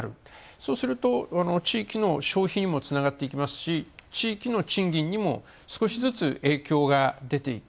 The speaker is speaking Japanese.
そうすると地域の消費にもつながっていきますし、地域の賃金にも少しずつ影響が出ていく。